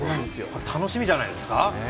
楽しみじゃないですか。